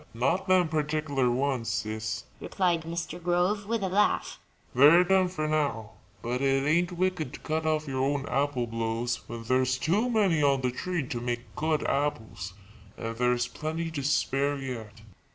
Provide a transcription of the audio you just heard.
"Not them particular ones, Sis," replied Mr. Grove, with a laugh; "they're done for now. But it ain't wicked to cut off your own apple blows when there's too many on the tree to make good apples, and there's plenty to spare yet."